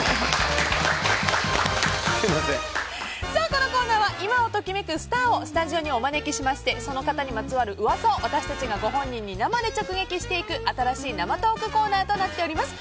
このコーナーは今を時めくスターをスタジオにお招きしましてその方にまつわる噂を私たちが生で直撃していく新しい生トークコーナーとなっております。